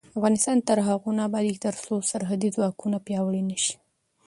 افغانستان تر هغو نه ابادیږي، ترڅو سرحدي ځواکونه پیاوړي نشي.